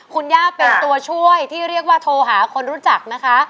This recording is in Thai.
คุณย่าเป็นตัวช่วยที่เรียกว่าโทรหาคนรู้จักนะคะ